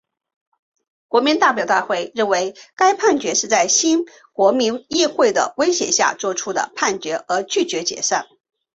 国民代表大会认为该判决是在新国民议会的威胁下所做出的判决而拒绝解散。